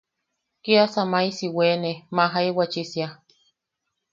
Kiasa maisi wene majaiwachisia.